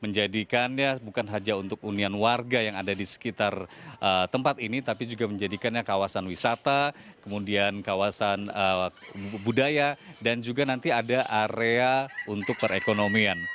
menjadikannya bukan saja untuk unian warga yang ada di sekitar tempat ini tapi juga menjadikannya kawasan wisata kemudian kawasan budaya dan juga nanti ada area untuk perekonomian